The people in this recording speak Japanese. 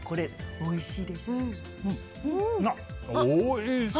おいしい！